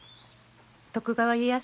徳川家康